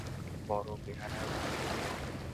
বড় বেয়াড়া রাগ আমার।